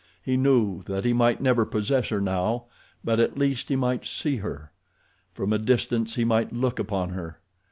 He knew that he might never possess her now, but at least he might see her. From a distance he might look upon her.